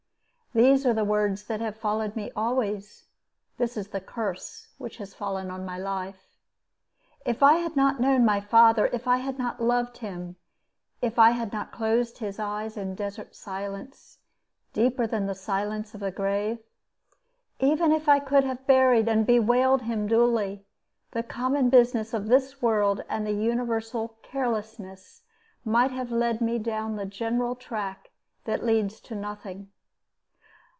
These are the words that have followed me always. This is the curse which has fallen on my life. If I had not known my father, if I had not loved him, if I had not closed his eyes in desert silence deeper than the silence of the grave, even if I could have buried and bewailed him duly, the common business of this world and the universal carelessness might have led me down the general track that leads to nothing.